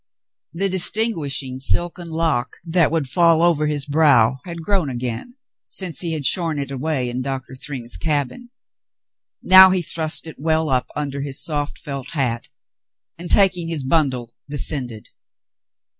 The distinguishing silken lock that would fall over his brow had grown again, since he had shorn it away in Doctor Thryng's cabin. Now he thrust it well up under his soft felt hat, and, taking his bundle, descended.